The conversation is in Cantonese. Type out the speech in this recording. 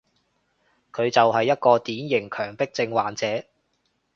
佢就係一個典型強迫症患者